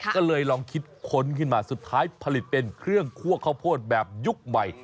ก็เลยลองคิดค้นขึ้นมาสุดท้ายผลิตเป็นเครื่องคั่วข้าวโพดแบบยุคใหม่